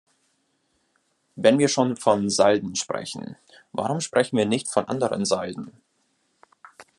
Wenn wir schon von Salden sprechen, warum sprechen wir nicht von anderen Salden?